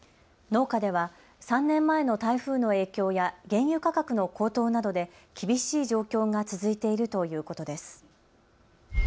農家では３年前の台風の影響や原油価格の高騰などで厳しい状況が続いているということです。